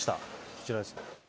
こちらです。